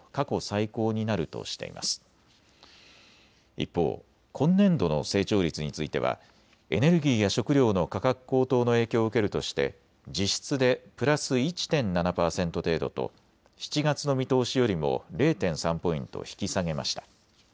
一方、今年度の成長率についてはエネルギーや食料の価格高騰の影響を受けるとして実質でプラス１．７％程度と７月の見通しよりも０．３ポイント引き下げました。